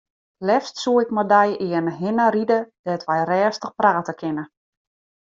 Leafst soe ik mei dy earne hinne ride dêr't wy rêstich prate kinne.